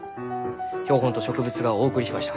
標本と植物画をお送りしました。